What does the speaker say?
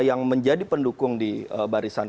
yang menjadi pendukung di barisan